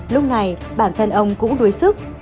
lúc này bản thân ông cũng đuối sức